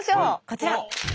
こちら。